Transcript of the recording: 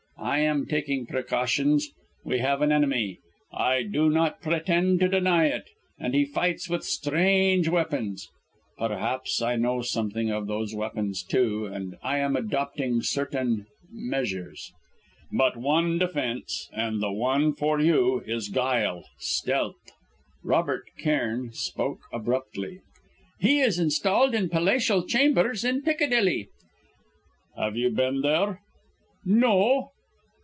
I am taking precautions. We have an enemy; I do not pretend to deny it; and he fights with strange weapons. Perhaps I know something of those weapons, too, and I am adopting certain measures. But one defence, and the one for you, is guile stealth!" Robert Cairn spoke abruptly. "He is installed in palatial chambers in Piccadilly." "Have you been there?" "No."